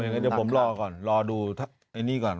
เดี๋ยวผมรอก่อนรอดูอันนี้ก่อน